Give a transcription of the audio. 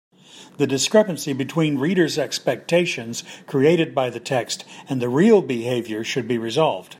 The discrepancy between reader’s expectations created by the text and the real behaviour should be resolved.